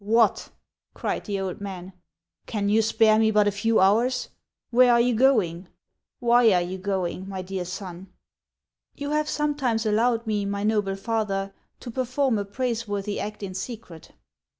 "What!" cried the old man, " can you spare me but a few hours ? Where are you going ? Why are you going, my dear son ?"" You have sometimes allowed me, my noble father, to perform a praiseworthy act in secret."